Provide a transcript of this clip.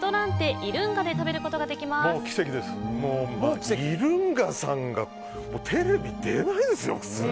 ｉ‐ｌｕｎｇａさんがテレビ、出ないですよ普通。